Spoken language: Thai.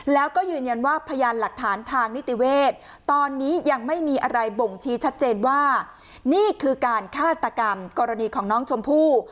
แล้วก็ยืนยันว่าพยานหลักฐานทางนิติเวศตอนนี้ยังไม่มีอะไรบ่งชี้ชัดเจนว่านี่คือการฆาตกรรมกรณีของน้องชมพู่